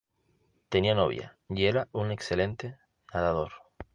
Tenía novia y era un excelente nadador.